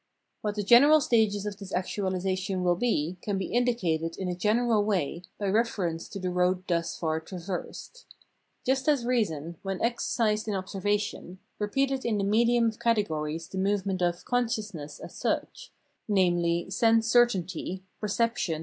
What the general stages of this actuaHsation will be can be indicated in a general way by reference to the road thus far traversed. Just as reason, when exercised 3.3? 340 Phenomenology of Mind in observation, repeated in the medium of categories tKe movement of " consciousness " as such, namely, sense certainty,* perception